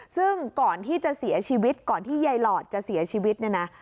ซึ่งก่อนที่จะเสียชีวิตก่อนที่ยายหลอดจะเสียชีวิตเนี่ยนะ